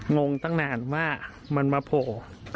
งงตั้งนานว่ามันมาโผล่